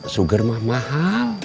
sugar mah mahal